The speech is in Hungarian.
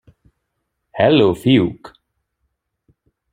Helló, fiúk.